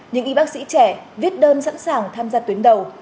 những y bác sĩ trẻ viết đơn sẵn sàng tham gia tuyến đầu